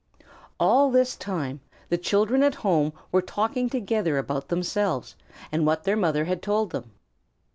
All this time the children at home were talking together about themselves and what their mother had told them.